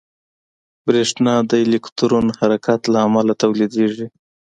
برېښنا د الکترون حرکت له امله تولیدېږي.